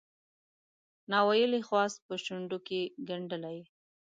ناویلی خواست په شونډوکې ګنډلی